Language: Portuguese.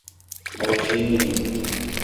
Mogi Mirim